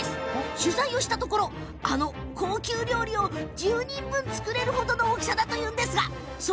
取材したところあの高級料理を１０人分作れる程の大きさだというんです。